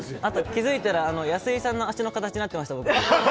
気づいたら安井さんの足の形になってました、僕。